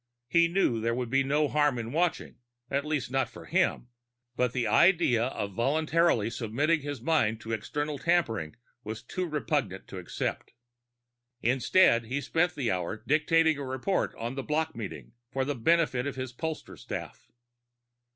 He knew there could be no harm in watching at least not for him but the idea of voluntarily submitting his mind to external tampering was too repugnant to accept. Instead he spent the hour dictating a report on the block meeting, for benefit of his pollster staff.